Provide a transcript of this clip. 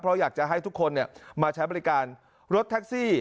เพราะอยากจะให้ทุกคนมาใช้บริการรถแท็กซี่